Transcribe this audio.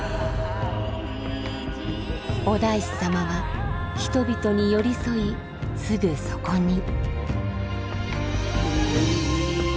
お大師様は人々に寄り添いすぐそこに。